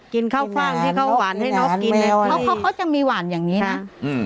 กินข้าวฟ่างที่เขาหวานให้น้องกินเนี้ยเขาเขาจะมีหวานอย่างงี้นะอืม